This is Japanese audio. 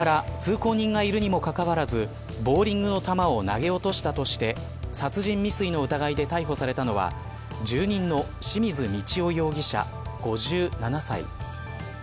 今月１０日、自身が住む４階から通行人がいるにもかかわらずボウリングの球を投げ落としたとして殺人未遂の疑いで逮捕されたのは住民の清水通雄容疑者、５７歳。